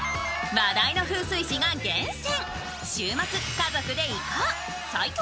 話題の風水師が厳選。